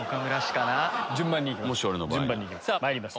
さぁまいります